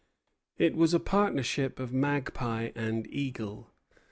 It was a partnership of magpie and eagle.